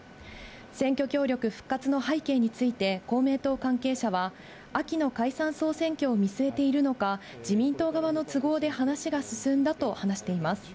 選挙協力復活の背景について公明党関係者は、秋の解散・総選挙を見据えているのか、自民党側の都合で話が進んだと話しています。